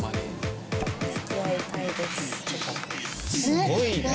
すごいね！